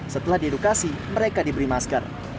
setelah diedukasi mereka diberi masker